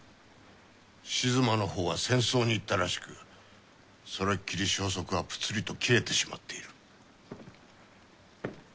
静馬のほうは戦争に行ったらしくそれっきり消息はプツリと切れてしまっている。